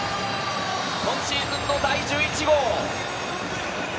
今シーズンの第１１号！